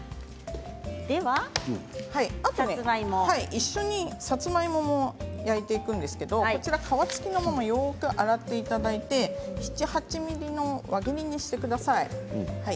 一緒にさつまいもも焼いていくんですけど皮付きのものをよく洗っていただいて７ｍｍから８ｍｍの輪切りにしてください。